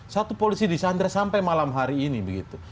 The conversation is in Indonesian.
satu polisi disandar sampai malam hari ini begitu